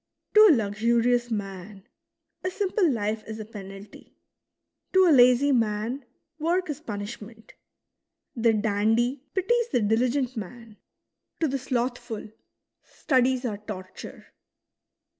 To a luxurious man, a simple life is a penalty ; to a lazy man, work is pun ishment ; the dandy pities the diligent man ; to the slothful, studies are torture.